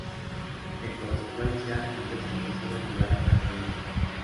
En consecuencia, ingresa al Liceo Miranda por un año.